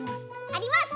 あります。